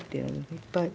いっぱい。